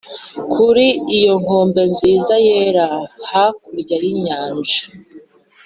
kuri iyo nkombe nziza yera hakurya y'inyanja.